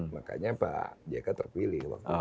makanya pak jk terpilih